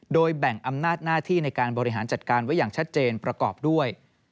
โดยแบ่งอำนาจหน้าที่ในการบริหารจัดการไว้อย่างชัดเจนประกอบด้วย